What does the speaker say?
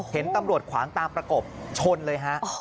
เห็นตำรวจขวางตามประกบชนเลยฮะ